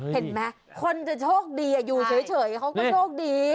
เห็นไหมคนจะโชคดีอยู่เฉยเขาก็โชคดี